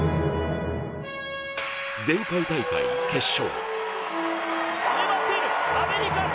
前回大会、決勝。